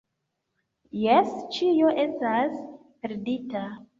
Jes, ĉio estas perdita.